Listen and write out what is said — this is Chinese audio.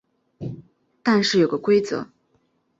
但是有个规则